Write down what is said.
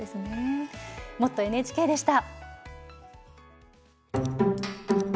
「もっとＮＨＫ」でした。